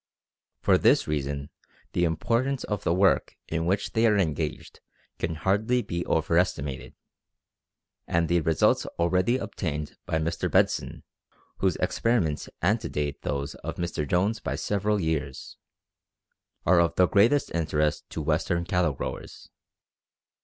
For this reason the importance of the work in which they are engaged can hardly be overestimated, and the results already obtained by Mr. Bedson, whose experiments antedate those of Mr. Jones by several years, are of the greatest interest to western cattle growers.